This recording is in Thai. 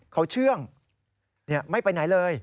เขาเชื่องไม่ไปไหนเลย